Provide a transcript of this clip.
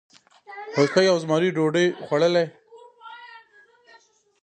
هوسۍ او زمري ډوډۍ خوړلې؟